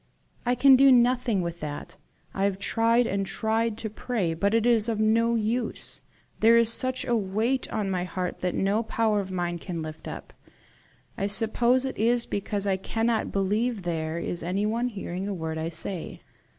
'" "I can do nothing with that. I have tried and tried to pray, but it is of no use. There is such a weight on my heart that no power of mine can lift it up. I suppose it is because I cannot believe there is anyone hearing a word I say.